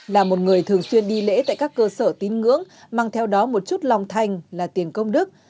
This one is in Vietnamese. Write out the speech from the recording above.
là một người thường xuyên đi lễ tại các cơ sở tín ngưỡng mang theo đó một chút lòng thành là tiền công đức